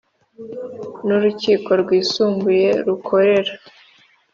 N urukiko rwisumbuye rukorera